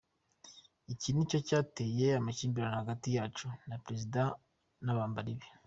Iki ni cyo cyateye amakimbirane hagati yacu na Perezida n’abambari be.